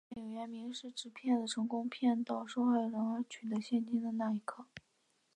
电影原名是指骗子成功骗倒受害人而取得金钱的那一刻。